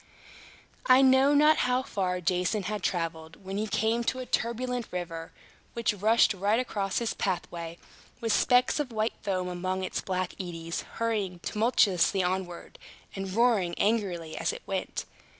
I know not how far Jason had traveled, when he came to a turbulent river, which rushed right across his pathway, with specks of white foam among its black eddies, hurrying tumultuously onward, and roaring angrily as it went.